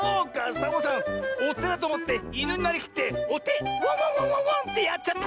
サボさん「おて」だとおもっていぬになりきって「おてワンワンワンワンワン」ってやっちゃったよ。